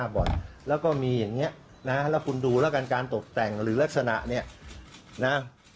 บ่อยแล้วก็มีอย่างนี้นะแล้วคุณดูแล้วกันการตกแต่งหรือลักษณะเนี่ยนะ